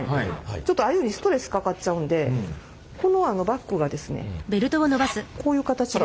ちょっとアユにストレスかかっちゃうんでこのバッグがですねこういう形で。